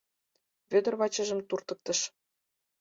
Вӧдыр вачыжым туртыктыш.